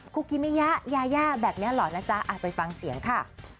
คุกิมิยะยายาแบบนี้เหรอนะจ๊ะไปฟังเสียงค่ะ